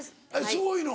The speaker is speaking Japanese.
すごいの？